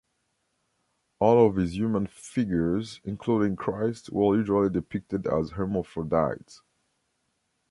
All of his human figures, including Christ, were usually depicted as hermaphrodites.